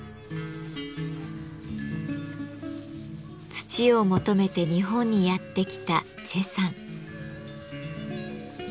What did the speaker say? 土を求めて日本にやって来た崔さん。